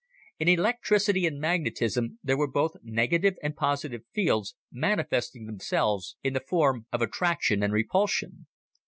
In electricity and magnetism there were both negative and positive fields manifesting themselves in the form of attraction and repulsion.